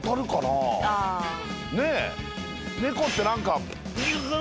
猫って何か。